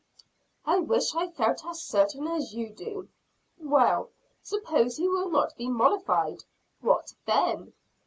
"I wish I felt as certain as you do." "Well, suppose he will not be mollified. What then?